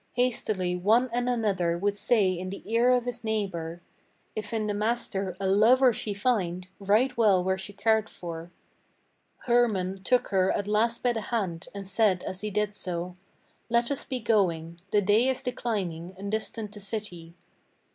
Hastily one and another would say in the ear of his neighbor: "If in the master a lover she find, right well were she cared for." Hermann took her at last by the hand, and said as he did so: "Let us be going; the day is declining, and distant the city."